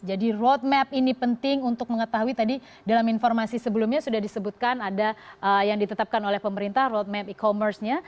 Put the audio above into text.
jadi roadmap ini penting untuk mengetahui tadi dalam informasi sebelumnya sudah disebutkan ada yang ditetapkan oleh pemerintah roadmap e commerce nya